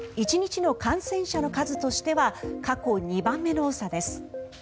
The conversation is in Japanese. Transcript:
１日の感染者の数としては過去２番目の多さです。